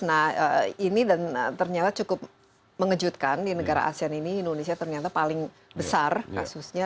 nah ini dan ternyata cukup mengejutkan di negara asean ini indonesia ternyata paling besar kasusnya